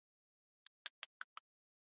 د بولان پټي د افغانانو د ژوند طرز اغېزمنوي.